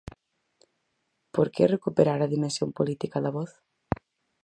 Por que "recuperar a dimensión política da voz"?